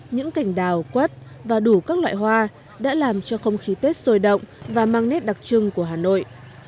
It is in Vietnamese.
những cành đào quất và đủ các loại hoa đã làm cho không khí tết sôi động và mang nét đặc trưng của hà nội